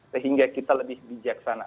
sehingga kita lebih bijaksana